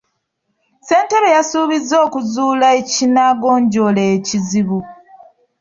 Ssentebe yasuubizza okuzuula ekinaagonjoola ekizibu.